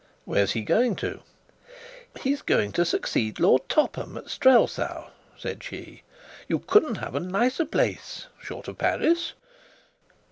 "Where's he going to?" "He's going to succeed Lord Topham at Strelsau," said she. "You couldn't have a nicer place, short of Paris."